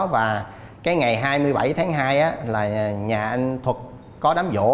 và cái ngày hai mươi bảy tháng hai là nhà anh thuật có đám vỗ